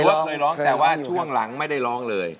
ก็เคยร้องแต่ว่าช่วงหลังไม่ได้ร้องเลย